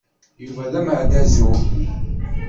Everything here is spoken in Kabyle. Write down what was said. Yuba d ameɛdazu.